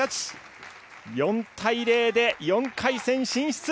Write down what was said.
４対０で４回戦進出。